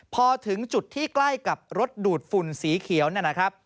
พอถึงจุดที่ใกล้กับรถดูดฝุ่นสีเขียวเนี่ยนะครับ